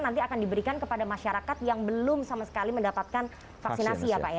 nanti akan diberikan kepada masyarakat yang belum sama sekali mendapatkan vaksinasi ya pak ya